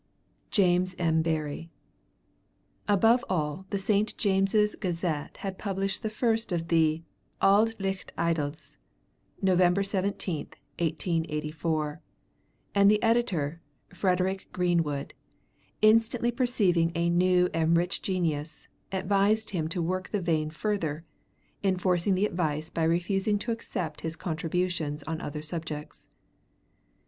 [Illustration: "JAMES M. BARRIE"] Above all, the St. James's Gazette had published the first of the 'Auld Licht Idylls' November 17th, 1884; and the editor, Frederick Greenwood, instantly perceiving a new and rich genius, advised him to work the vein further, enforcing the advice by refusing to accept his contributions on other subjects.